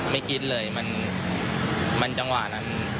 ไม่คิดเลยมันจังหวะนั้น